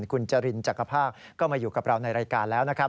คุณจรินจักรภาคก็มาอยู่กับเราในรายการแล้วนะครับ